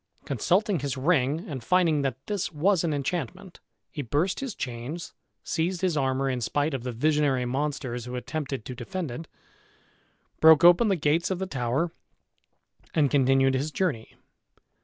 Consulting his ring, and finding that this was an enchantment, he burst his chains, seized his armor in spite of the visionary monsters who attempted to defend it, broke open the gates of the tower, and continued his journey.